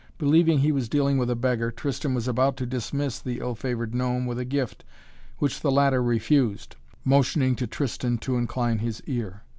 Believing he was dealing with a beggar, Tristan was about to dismiss the ill favored gnome with a gift, which the latter refused, motioning to Tristan to incline his ear.